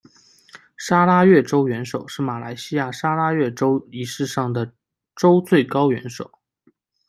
砂拉越州元首是马来西亚砂拉越州仪式上的州最高元首。